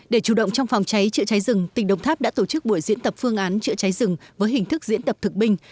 để chủ động trong phòng cháy chữa cháy rừng tỉnh đồng tháp đã tổ chức buổi diễn tập phương án chữa cháy rừng với hình thức diễn tập thực binh